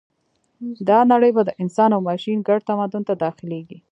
دا نړۍ به د انسان او ماشین ګډ تمدن ته داخلېږي